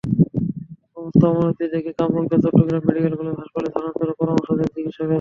অবস্থার অবনতি দেখে কামরুলকে চট্টগ্রাম মেডিকেল কলেজ হাসপাতালে স্থানান্তরের পরামর্শ দেন চিকিৎসকেরা।